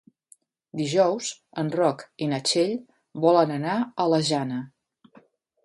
Dijous en Roc i na Txell volen anar a la Jana.